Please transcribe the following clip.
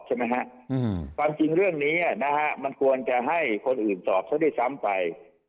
ความจริงเรื่องนี้มันควรจะให้คนอื่นสอบเค้าได้ซ้ำไป